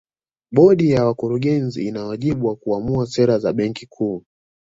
Bodi ya Wakurugenzi ina wajibu wa kuamua sera za Benki Kuu